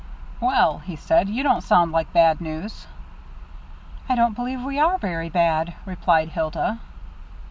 "Well," he said, "you don't sound like bad news." "I don't believe we are very bad," replied Hilda.